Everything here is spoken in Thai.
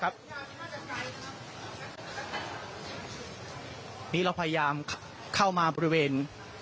อันนี้เราพยายามเข้ามาบริเวณ